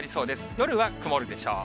夜は曇るでしょう。